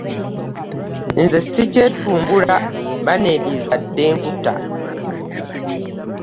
Nze sikyetumbula banneliisa dda enkuta .